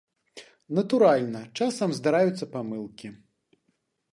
Натуральна, часам здараюцца памылкі.